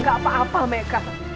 gak apa apa meca